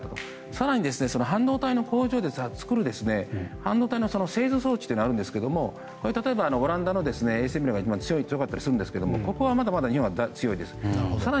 更に半導体の工場で作る半導体の製造装置があるんですが例えば、オランダが強かったりしますが日本はまだまだここは強いです。